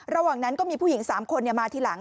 ระหว่างนั้นก็มีผู้หญิง๓คนมาทีหลัง